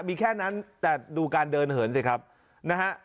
มีแค่นั้นแต่ดูการเดินเหินสิครับนะฮะ